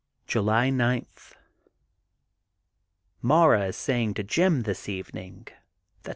' July 9: — Mara is saying to Jim this eve ning that